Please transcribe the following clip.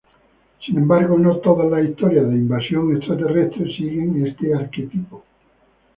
Sin embargo, no todas las historias de invasión extraterrestre siguen este arquetipo.